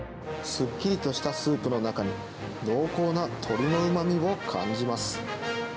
すっきりとしたスープの中に、濃厚な鶏のうまみを感じます。